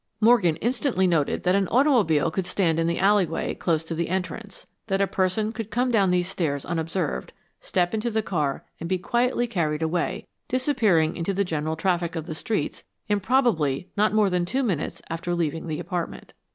Morgan instantly noted that an automobile could stand in the alleyway close to the entrance; that a person could come down these stairs unobserved, step into the car and be quietly carried away, disappearing into the general traffic of the streets in probably not more than two minutes after leaving the apartment.